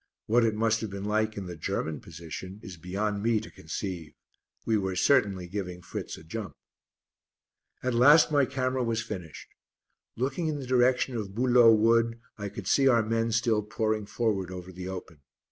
What it must have been like in the German position is beyond me to conceive. We were certainly giving Fritz a jump. At last my camera was finished. Looking in the direction of Bouleaux Wood I could see our men still pouring forward over the open.